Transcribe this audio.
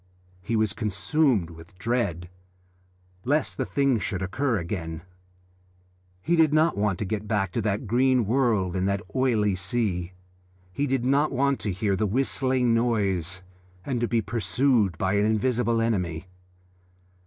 He was consumed with dread lest the thing should occur again. He did not want to get back to that green world and that oily sea; he did not want to hear the whistling noise, and to be pursued by an invisible enemy.